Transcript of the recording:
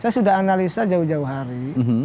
saya sudah analisa jauh jauh hari